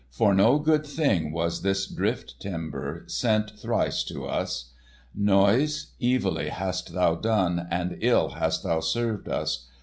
For no good thing was this drift timber sent thrice to us. Noise, evilly hast thou done, and ill hast thou served us.